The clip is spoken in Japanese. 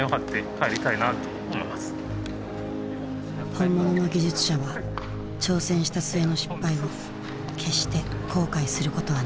本物の技術者は挑戦した末の失敗を決して後悔することはない。